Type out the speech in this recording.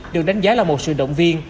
được đánh giá là một sự động viên